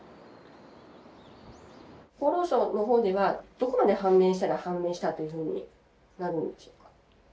厚労省のほうではどこまで判明したら判明したというふうになるんでしょうか。